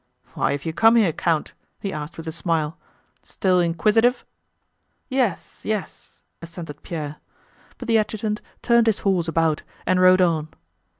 "Why have you come here, Count?" he asked with a smile. "Still inquisitive?" "Yes, yes," assented Pierre. But the adjutant turned his horse about and rode on.